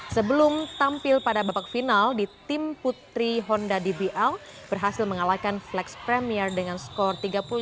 sebelum tampil pada babak final di tim putri honda dbl berhasil mengalahkan flex premier dengan skor tiga puluh lima